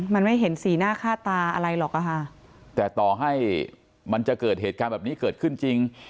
มันไม่เห็นสีหน้าค่าตาอะไรหรอกอะค่ะแต่ต่อให้มันจะเกิดเหตุการณ์แบบนี้เกิดขึ้นจริง